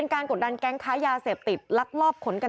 นำนำนำนำนำนำนำ